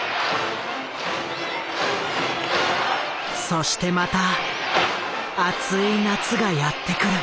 そしてまた熱い夏がやって来る。